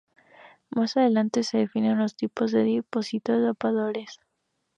Más adelante se definen los tipos de dispositivos o adaptadores.